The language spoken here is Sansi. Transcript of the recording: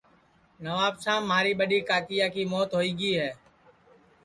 نوابشام مھاری ٻڈؔی کاکایا کی موت ہوئی گی ہے